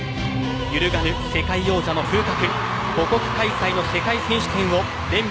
揺るがぬ世界王者の風格。